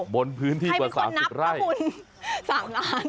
บนพื้นที่กว่า๓๐ไร่ใครเป็นคนนับตะกุล๓ล้าน